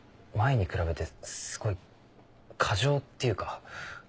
前に比べてすごい過剰っていうか。